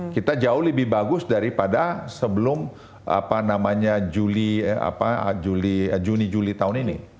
kita jauh lebih bagus daripada sebelum apa namanya juli juni juli tahun ini